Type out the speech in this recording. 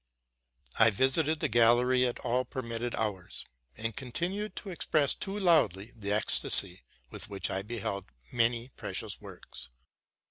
267 I visited the gallery at all permitted hours, and continued to express too loudly the ecstasy with which I beheld many precious works.